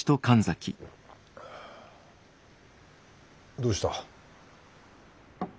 どうした？